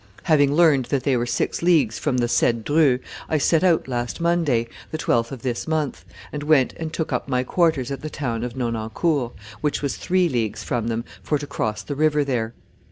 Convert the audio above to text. Having learned that they were six leagues from the said Dreux, I set out last Monday, the 12th of this month, and went and took up my quarters at the town of Nonancourt, which was three leagues from them, for to cross the river there.